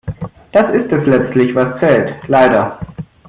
Das ist es letztlich was zählt, leider.